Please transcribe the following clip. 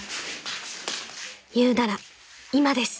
［言うなら今です］